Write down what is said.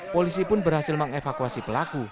polisi pun berhasil mengevakuasi pelaku